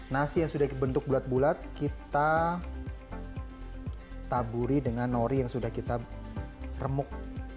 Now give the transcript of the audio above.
nasi yang sudah dibentuk bulat bulat kita taburi dengan nori yang sudah kita remuk